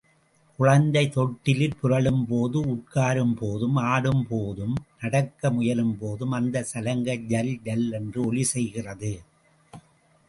குழந்தை தொட்டிலிற் புரளும்போதும் உட்காரும்போதும் ஆடும்போதும் நடக்க முயலும்போதும் அந்தச் சலங்கை ஜல் ஜல் என்று ஒலி செய்கிறது.